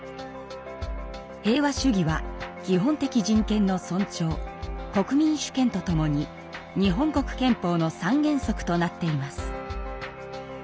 平和主義は「基本的人権の尊重」「国民主権」とともに日本国憲法の三原則となっています。